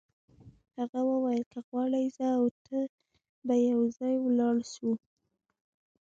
هغه وویل که غواړې زه او ته به یو ځای ولاړ شو.